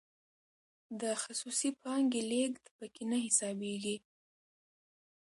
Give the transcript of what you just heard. د خصوصي پانګې لیږد پکې نه حسابیږي.